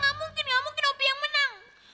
gak mungkin gak mungkin opi yang menang